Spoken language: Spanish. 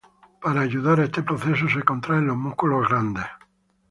Para ayudar a este proceso se contraen los músculos grandes.